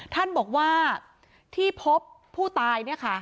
ท่านบอกว่าที่พบผู้ตายเนี่ยค่ะ